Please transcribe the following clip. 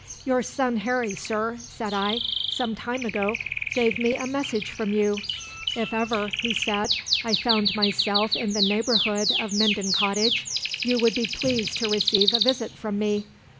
"'Your son Harry, sir,' said I, 'some time ago gave me a message from you. If ever (he said) I found myself in the neighbourhood of Minden Cottage you would be pleased to receive a visit from me.'